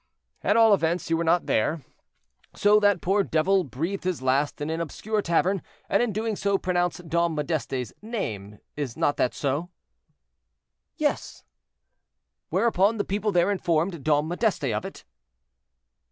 "At all events, you were not there, so that the poor devil breathed his last in an obscure tavern, and in doing so pronounced Dom Modeste's name; is not that so?" "Yes." "Whereupon the people there informed Dom Modeste of it?"